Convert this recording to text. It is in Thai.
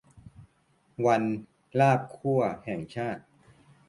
วัน ลาบคั่ว แห่งชาติ